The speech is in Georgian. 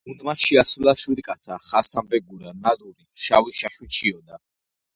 გუნდმა შეასრულა „შვიდკაცა“, „ხასანბეგურა“, „ნადური“, „შავი შაშვი ჩიოდა“.